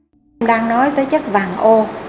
mình đang nói tới chất vàng ô